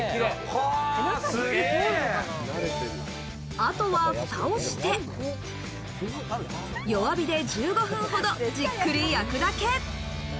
あとは蓋をして、弱火で１５分ほど、じっくり焼くだけ。